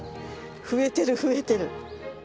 増えてる増えてる。